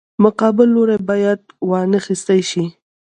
مقابل لوری باید وانخیستی شي.